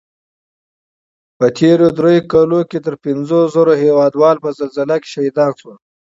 په تېرو دریو کلو کې تر پنځو زرو هېوادوال په زلزله کې شهیدان شول